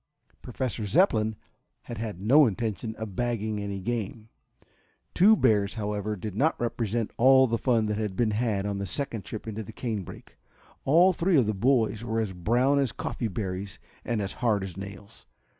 Professor Zepplin had had no intention of bagging any game. Two bears, however, did not represent all the fun that had been had on this second trip into the canebrake. All three of the boys were as brown as coffee berries and as "hard as nails."